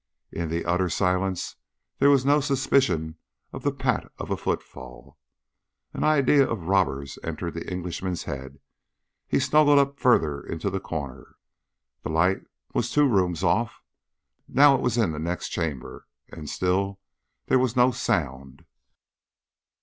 In the utter silence there was no suspicion of the pat of a footfall. An idea of robbers entered the Englishman's head. He snuggled up further into the corner. The light was two rooms off. Now it was in the next chamber, and still there was no sound.